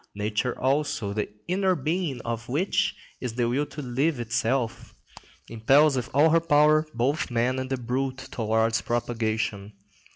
Nature also, the inner being of which is the will to live itself, impels with all her power both man and the brute towards propagation.